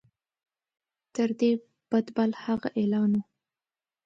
تر دې بد بل هغه اعلان وو.